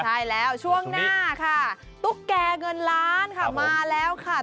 ใช่แล้วช่วงหน้าค่ะตุ๊กแก่เงินล้านค่ะมาแล้วค่ะ